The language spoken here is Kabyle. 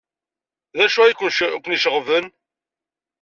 D acu ay ken-iceɣben?